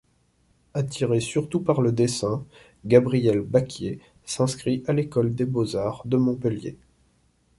Attiré surtout par le dessin, Gabriel Bacquier s'inscrit à l’École des beaux-arts de Montpellier.